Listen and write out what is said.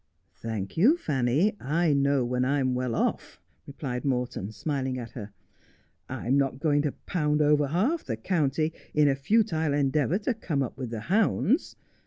' Thank you, Fanny, I know when I am well off,' replied Morton, smiling at her. ' I am not going to pound over half the county in a futile endeavour to come up with the hounds.